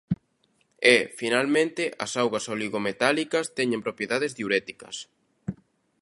E, finalmente, as augas oligometálicas teñen propiedades diuréticas.